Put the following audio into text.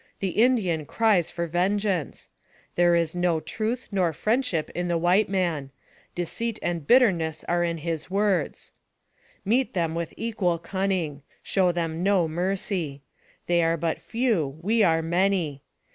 The Indian cries for vengeance ! There is no truth nor friendship in the white man ; deceit and bitterness are in his words. " Meet them with equal cunning. Show them no mercy. They are but few, we are many.